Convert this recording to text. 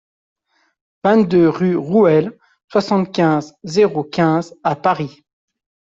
vingt-deux rue Rouelle, soixante-quinze, zéro quinze à Paris